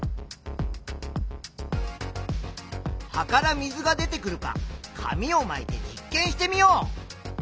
葉から水が出てくるか紙をまいて実験してみよう。